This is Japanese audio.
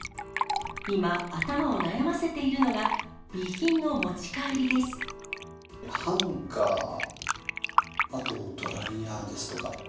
今、頭を悩ませているのが、ハンガー、あとドライヤーですとか。